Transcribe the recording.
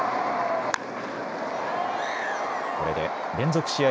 これで連続試合